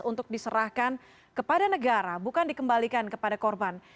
untuk diserahkan kepada negara bukan dikembalikan kepada korban